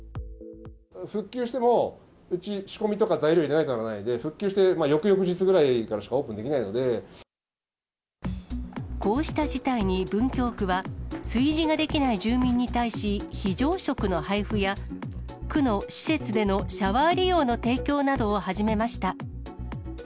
復旧してもうち、仕込みとか、材料を入れなきゃならないので、復旧して翌々日ぐらいからしかオこうした事態に文京区は、炊事ができない住民に対し、非常食の配布や、区の施設でのシャワー利用の提供などを始めました。